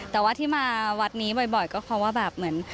แต่ว่าที่มาวัดนี้บ่อยก็เพราะว่าแบบเหมือน